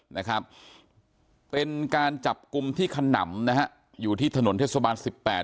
นะครับเป็นการจับกลุ่มที่ขนำนะฮะอยู่ที่ถนนเทศบาลสิบแปด